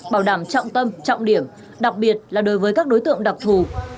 bảo đảm trọng tâm trọng điểm đặc biệt là đối với các đối tượng đặc thù